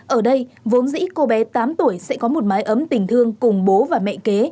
ở đây vốn dĩ cô bé tám tuổi sẽ có một mái ấm tình thương cùng bố và mẹ kế